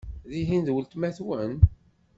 Tihin d weltma-twen?